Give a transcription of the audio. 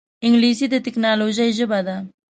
انګلیسي د ټکنالوجۍ ژبه ده